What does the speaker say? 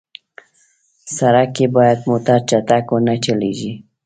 سړک کې باید موټر چټک ونه چلېږي.